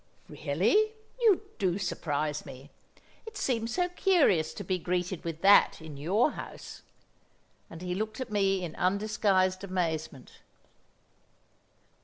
"Really! You do surprise me!! It seems so curious to be greeted with that in your house!!!" And he looked at me in undisguised amazement.